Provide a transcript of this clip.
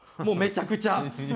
もうめちゃくちゃ。